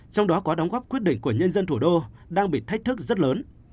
trong đó có đóng góp quyết định của nhân dân thủ đô đang bị thách thức rất lớn